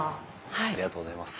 ありがとうございます。